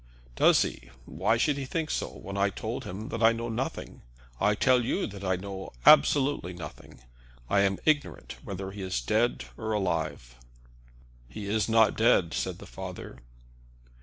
"Does he? Why should he think so, when I told him that I know nothing? I tell you that I know absolutely nothing. I am ignorant whether he is dead or alive." "He is not dead," said the father.